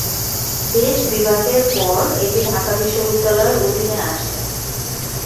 দেশ বিভাগের পর এটি ঢাকা বিশ্ববিদ্যালয়ের অধীনে আসে।